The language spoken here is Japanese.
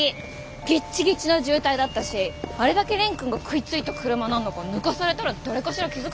ギッチギチの渋滞だったしあれだけ蓮くんが食いついた車なんだから抜かされたら誰かしら気付くでしょ。